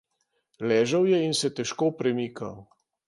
Ležal je in se težko premikal.